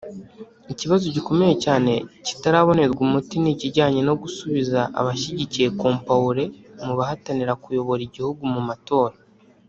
Ikibazo gikomeye cyane kitarabonerwa umuti ni ikijyanye no gusubiza abashyigikiye Compaoré mu bahatanira kuyobora igihugu mu matora